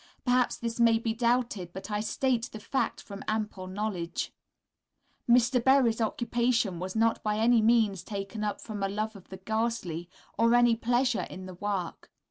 Perhaps this may be doubted, but I state the fact from ample knowledge. Mr. Berry's occupation was not by any means taken up from a love of the ghastly, or any pleasure in the work.